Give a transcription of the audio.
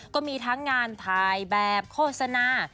ก็มีทั้งงานถ่ายแบบโฆษณา